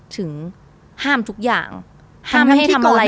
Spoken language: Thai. ถึงห้ามทุกอย่างห้ามไม่ให้ทำอะไร